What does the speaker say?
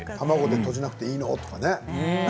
卵でとじなくていいのとかね。